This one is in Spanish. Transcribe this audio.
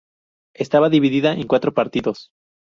Estaba dividida en cuatro partidos.